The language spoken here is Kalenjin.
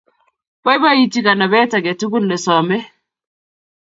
Boiboji kanabet age tugul ne some